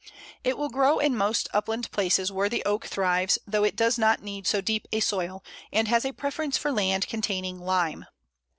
It will grow in most upland places where the Oak thrives, though it does not need so deep a soil, and has a preference for land containing lime.